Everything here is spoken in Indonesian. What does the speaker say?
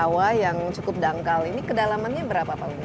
rawa yang cukup dangkal ini kedalamannya berapa pak